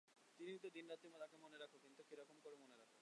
তুমি তো দিনরাত্রি তাকে মনে রাখ, কিন্তু কিরকম করে মনে রাখ?